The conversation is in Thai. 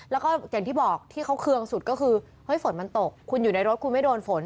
แล้วก็อย่างที่บอกที่เขาเคืองสุดก็คือเฮ้ยฝนมันตกคุณอยู่ในรถคุณไม่โดนฝน